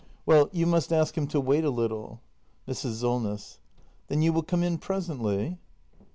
Well, you must ask him to wait a little. Mrs. Solness. Then you will come in presently?